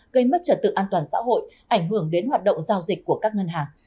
gây mất trật tự an toàn xã hội ảnh hưởng đến hoạt động giao dịch của các ngân hàng